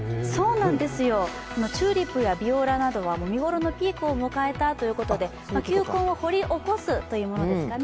チューリップやビオラなどは見頃のピークを迎えたということで球根を掘り起こすというものですかね。